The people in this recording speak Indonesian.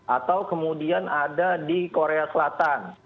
atau kemudian ada di korea selatan